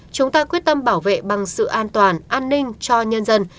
chúng ta quyết tâm bảo vệ bằng sự an toàn an ninh cho nhân dân